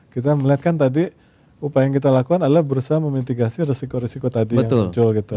kita melihatkan tadi upaya yang kita lakukan adalah berusaha memitigasi resiko risiko tadi yang muncul gitu